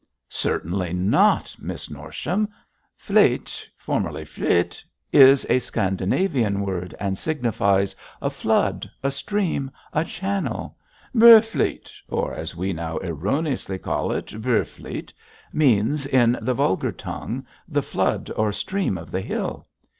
'Certainly not, Miss Norsham. "Flete," formerly "fleot," is a Scandinavian word and signifies "a flood," "a stream," "a channel." Bëorhfleot, or as we now erroneously call it Beorflete, means, in the vulgar tongue, the flood or stream of the hill.